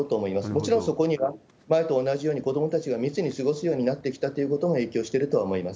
もちろんそこには前と同じように、子どもたちが密に過ごすようになってきたということも影響してると思います。